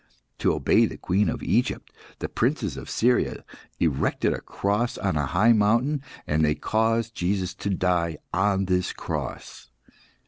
To obey the Queen of Egypt, the princes of Syria erected a cross on a high mountain, and they caused Jesus to die on this cross.